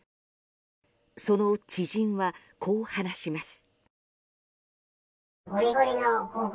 その知人は、こう話します。